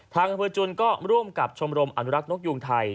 ทางนักพอร์ดจุนก็ร่วมกับชมรมอณุรักษ์นกยุงไทย